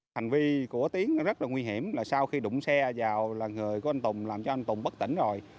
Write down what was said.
hành vi của tiến rất là nguy hiểm là sau khi đụng xe vào là người của anh tùng làm cho anh tùng bất tỉnh rồi